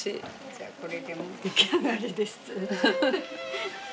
じゃあこれで出来上がりです。